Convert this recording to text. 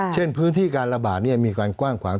เช่นพื้นที่การระบาดมีการกว้างขวาง